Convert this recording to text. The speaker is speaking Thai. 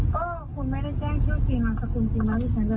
ก็คุณไม่ได้แจ้งเชื่อจริงนามสกุลจริง